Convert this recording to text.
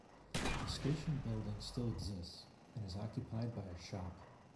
The station building still exists, and is occupied by a shop.